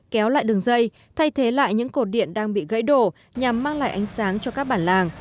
kéo lại đường dây thay thế lại những cột điện đang bị gãy đổ nhằm mang lại ánh sáng cho các bản làng